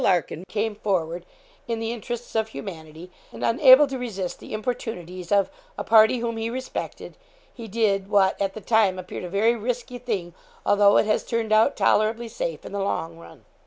Larkin came forward, in the interests of humanity, and unable to resist the importunities of 'a party whom he respected,' he did 'what, at the time, appeared a very risky thing, although it has turned out tolerably safe in the long run.'